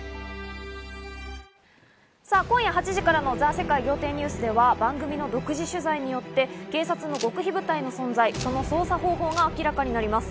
世界仰天ニュース』では番組の独自取材によって警察の極秘部隊の存在、その捜査方法が明らかになります。